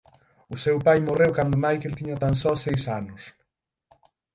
O seu pai morreu cando Michael tiña tan só seis anos.